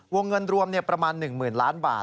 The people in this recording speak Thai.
วงเงินรวมประมาณ๑๐๐๐ล้านบาท